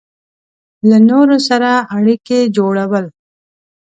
له نورو سره اړیکې جوړول